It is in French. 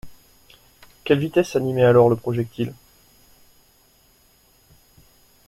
Quelle vitesse animait alors le projectile?